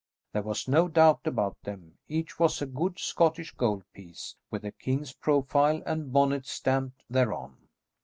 There was no doubt about them, each was a good Scottish gold piece, with the king's profile and bonnet stamped thereon.